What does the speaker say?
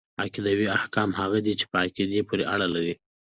عقيدوي احکام هغه دي چي په عقيدې پوري اړه لري .